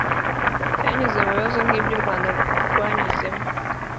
cyanyuze mu bibazo nk’ibyo u Rwanda rwanyuzemo